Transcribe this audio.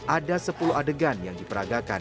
ada sepuluh adegan yang diperagakan